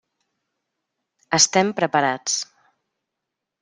Estem preparats.